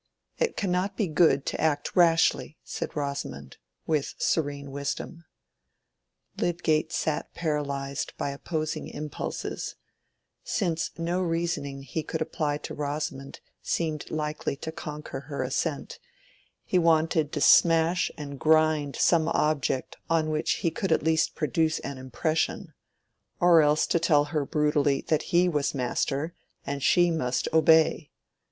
It cannot be good to act rashly," said Rosamond, with serene wisdom. Lydgate sat paralyzed by opposing impulses: since no reasoning he could apply to Rosamond seemed likely to conquer her assent, he wanted to smash and grind some object on which he could at least produce an impression, or else to tell her brutally that he was master, and she must obey.